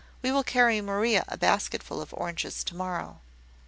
We will carry Maria a basketful of oranges to morrow."